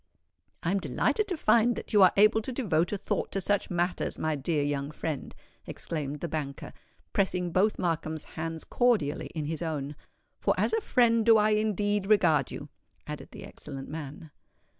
"I am delighted to find that you are able to devote a thought to such matters, my dear young friend," exclaimed the banker, pressing both Markham's hands cordially in his own; "for as a friend do I indeed regard you," added the excellent man.